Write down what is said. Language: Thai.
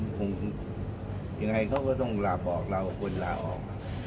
คงคงยังไงเขาก็ต้องราบออกราบออกคนราบออก